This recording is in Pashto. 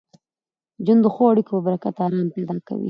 ژوند د ښو اړیکو په برکت ارام پیدا کوي.